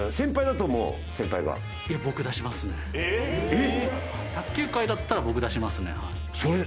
えっ？